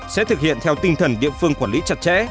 sẽ thực hiện theo tinh thần địa phương quản lý chặt chẽ